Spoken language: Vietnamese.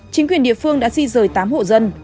chính quyền địa phương đã di rời tám hộ dân